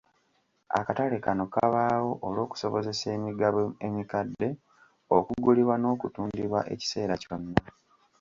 Akatale kano kabaawo olw'okusobozesa emigabo emikadde okugulibwa n'okutundibwa ekiseera kyonna.